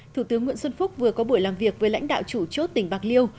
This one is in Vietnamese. thủ tướng nguyễn xuân phúc vừa có buổi làm việc với lãnh đạo chủ chốt tỉnh bạc liêu